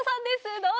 どうぞ。